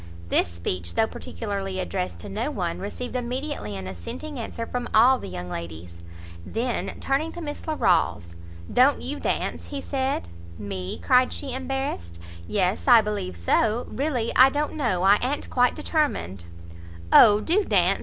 This speech, though particularly addressed to no one, received immediately an assenting answer from all the young ladies. Then, turning to Miss Larolles, "Don't you dance?" he said. "Me?" cried she, embarrassed, "yes, I believe so, really I don't know, I a'n't quite determined." "O, do dance!"